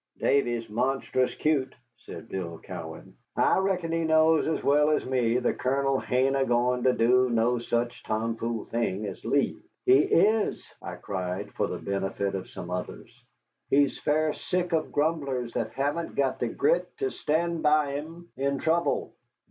"Davy's monstrous cute," said Bill Cowan; "I reckon he knows as well as me the Colonel hain't a goin' to do no such tomfool thing as leave." "He is," I cried, for the benefit of some others, "he's fair sick of grumblers that haven't got the grit to stand by him in trouble."